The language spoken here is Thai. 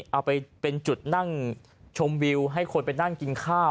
เอาไปเป็นจุดนั่งชมวิวให้คนไปนั่งกินข้าว